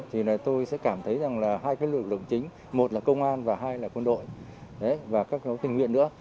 thì là tôi sẽ cảm thấy rằng là hai lực lượng chính một là công an và hai là quân đội và các tình nguyện nữa